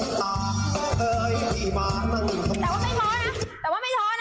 แต่ว่าไม่ท้อนะแต่ว่าไม่ท้อนะ